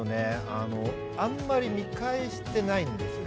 あのあんまり見返してないんですよ